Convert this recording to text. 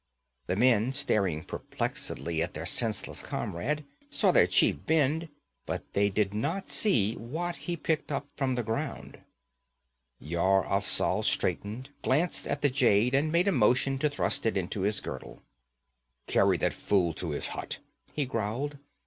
The men, staring perplexedly at their senseless comrade, saw their chief bend, but they did not see what he picked up from the ground. Yar Afzal straightened, glanced at the jade, and made a motion to thrust it into his girdle. 'Carry that fool to his hut,' he growled.